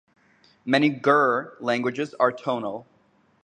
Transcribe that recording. Many Gur languages are tonal.